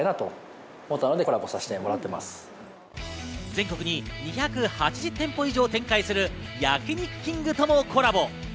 全国に２８０店舗以上展開する焼肉きんぐともコラボ。